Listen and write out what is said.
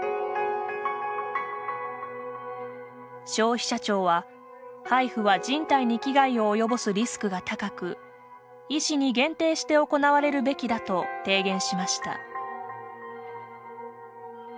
消費者庁は、ハイフは人体に危害を及ぼすリスクが高く医師に限定して行われるべきだと提言しました。